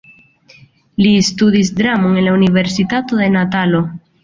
Li studis dramon en la Universitato de Natalo.